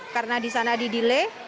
karena di sana di delay